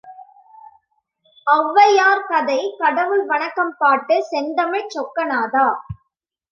ஒளவையார் கதை கடவுள் வணக்கம் பாட்டு செந்தமிழ்ச் சொக்கநாதா!